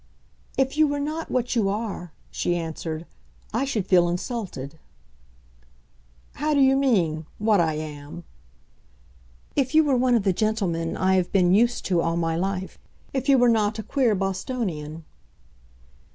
"If you were not what you are," she answered, "I should feel insulted." "How do you mean—what I am?" "If you were one of the gentlemen I have been used to all my life. If you were not a queer Bostonian."